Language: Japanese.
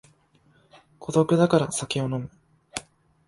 孤独だから酒を飲む